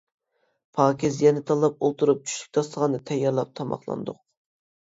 پاكىز يەرنى تاللاپ ئولتۇرۇپ چۈشلۈك داستىخاننى تەييارلاپ تاماقلاندۇق.